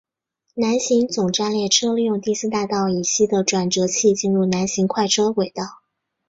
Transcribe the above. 南行总站列车利用第四大道以西的转辙器进入南行快车轨道。